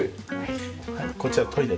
こちらトイレです。